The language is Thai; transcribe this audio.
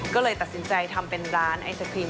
ก็เลยตัดสินใจทำเป็นร้านไอศครีม